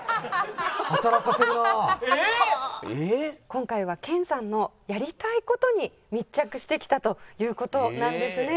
今回は研さんのやりたい事に密着してきたという事なんですね。